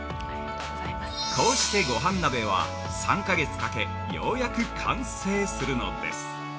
こうして、ごはん鍋は３か月かけようやく完成するのです。